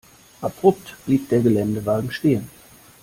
Abrupt blieb der Geländewagen stehen.